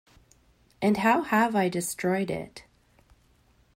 And how have I destroyed it?